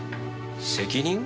責任？